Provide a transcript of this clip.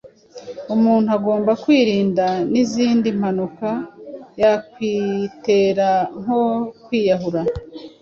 Umuntu agomba kwirinda n’izindi mpanuka yakwitera nko kwiyahura